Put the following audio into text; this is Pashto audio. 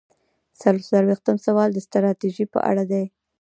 څلور څلویښتم سوال د ستراتیژۍ په اړه دی.